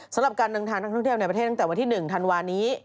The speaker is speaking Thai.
สำหรับการเดินทางท่องเที่ยวในประเทศตั้งแต่วันที่๑ธันวานี้